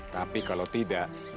tapi kalau tidak